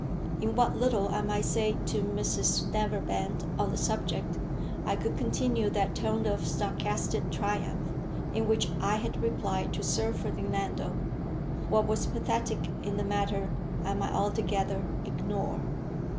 In what little I might say to Mrs Neverbend on the subject, I could continue that tone of sarcastic triumph in which I had replied to Sir Ferdinando. What was pathetic in the matter I might altogether ignore.